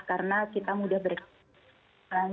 karena kita mudah berkembang